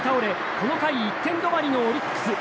この回１点止まりのオリックス。